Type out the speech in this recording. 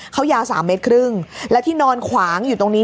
เขายาวสามเมตรครึ่งแล้วที่นอนขวางอยู่ตรงนี้